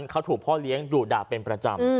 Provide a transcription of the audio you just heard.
เขาถูกพ่อเลี้ยงดุด่าเป็นประจำ